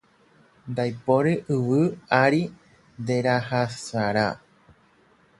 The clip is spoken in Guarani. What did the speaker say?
Ndaipóri yvy ári nderasaharã